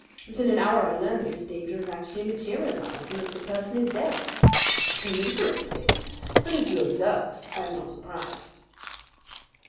Within an hour I learn that this danger has actually materialized and that the person is dead. I am interested; but, as you observe, I am not surprised."